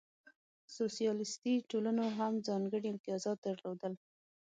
سوسیالیستي ټولنو هم ځانګړې امتیازات درلودل.